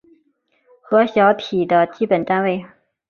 核小体的基本单位。